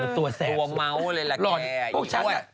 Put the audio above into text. เออตัวแสบตัวเมาะเลยล่ะแก